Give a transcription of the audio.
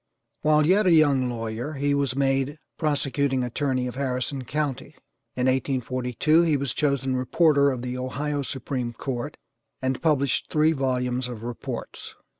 While yet a young lawyer he was made prosecuting attorney of Harrison county. In 1842 he was chosen reporter of the Ohio Supreme Court, and published three volumes of reports.